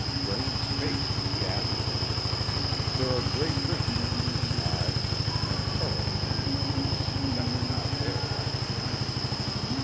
Braine's face is ghastly. There are great rings under his eyes, and furrows in his cheeks that were not there last night.